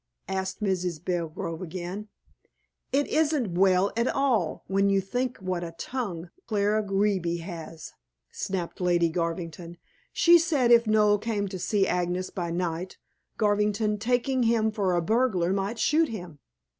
asked Mrs. Belgrove again. "It isn't well at all, when you think what a tongue Clara Greeby has," snapped Lady Garvington. "She said if Noel came to see Agnes by night, Garvington, taking him for a burglar, might shoot him.